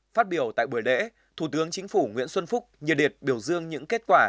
phát biểu tại buổi lễ thủ tướng chính phủ nguyễn xuân phúc nhiều điệt biểu dương những kết quả